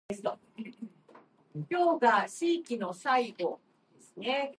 Most of the guest experience revolves around character interaction and an immersive setting.